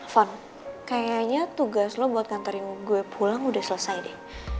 fon kayaknya tugas lo buat ngantarin gue pulang udah selesai deh